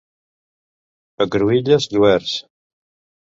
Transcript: A Cruïlles, lluerts.